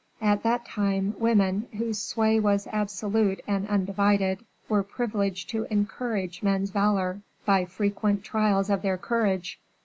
At that time women, whose sway was absolute and undivided, were privileged to encourage men's valor by frequent trials of their courage.